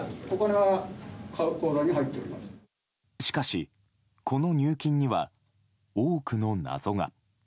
しかし、この入金には多くの謎が。